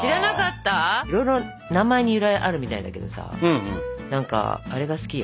いろいろ名前に由来あるみたいだけどさ何かあれが好きよ。